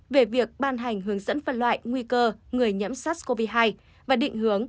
về việc ban hành hướng dẫn phân loại nguy cơ người nhiễm sars cov hai và định hướng